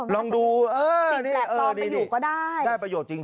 ลองดูเออนี่ได้ประโยชน์จริง